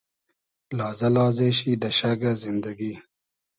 لازۂ لازې شی دۂ شئگۂ زیندئگی